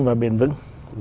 và bền vững